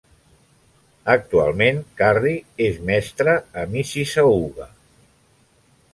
Actualment, Carrie és mestra a Mississauga.